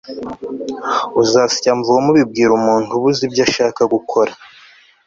uzasya mvome ubibwira umuntu ubuza ibyo ashaka gukora